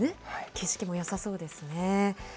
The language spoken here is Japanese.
景色もよさそうですね。